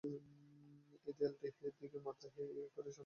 এই দেয়ালটির দিকেই মাথা করে আমি শুতাম।